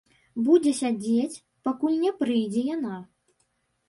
Будзе сядзець, пакуль не прыйдзе яна.